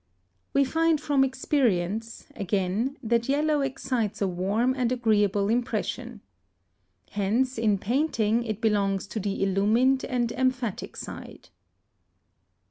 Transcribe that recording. We find from experience, again, that yellow excites a warm and agreeable impression. Hence in painting it belongs to the illumined and emphatic side.